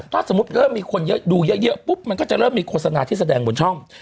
ถ้าสมมุติเริ่มมีคนเยอะดูเยอะปุ๊บมันก็จะเริ่มมีโฆษณาที่แสดงบนช่อง